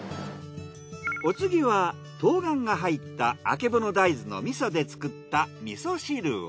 お次は冬瓜が入ったあけぼの大豆の味噌で作った味噌汁を。